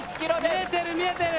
見えてる見えてる。